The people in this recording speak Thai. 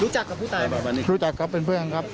รู้จักกับผู้ตายเหรอครับรู้จักครับเป็นเพื่อนครับ